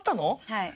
はい。